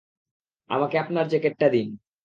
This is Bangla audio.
আমাকে আপনার জ্যাকেটটা দিন।